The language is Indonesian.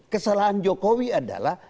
kesalahan jokowi adalah